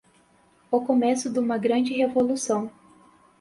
o começo duma grande revolução